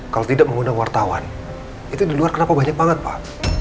kalau tidak mengundang wartawan itu di luar kenapa banyak banget pak